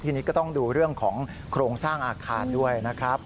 ทีนี้ก็ต้องดูเรื่องของโครงสร้างอาคารด้วยนะครับ